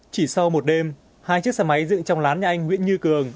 chỉ sau một đêm hai chiếc xe máy dựng trong lán nhà anh nguyễn như cường